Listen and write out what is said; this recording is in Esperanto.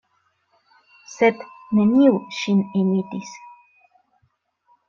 Sed neniu ŝin imitis.